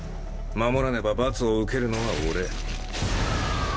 守らねば罰を受けるのは俺。